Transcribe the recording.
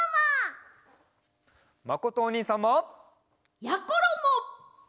まことおにいさんも！やころも！